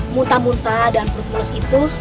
muntah muntah dan peluk peluk itu